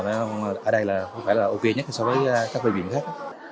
ở đây là không phải là ok nhất so với các bệnh viện khác